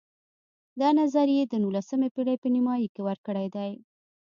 دا نظر یې د نولسمې پېړۍ په نیمایي کې ورکړی دی.